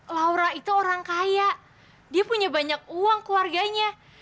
laura itu orang kaya dia punya banyak uang keluarganya